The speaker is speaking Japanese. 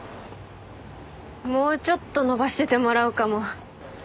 もうちょっと伸ばしててもらうかも。